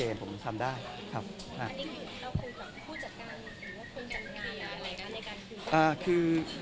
หรือว่าคนจัดงานอะไรกันในการคุยกัน